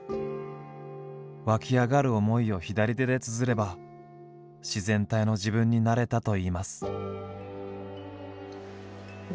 湧き上がる思いを左手でつづれば自然体の自分になれたといいます。